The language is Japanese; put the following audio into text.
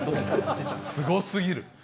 すごすぎる。